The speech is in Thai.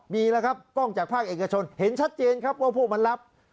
มีแล้วครับกล้องจากภาคเอกชนเห็นชัดเจนครับว่าพวกมันรับ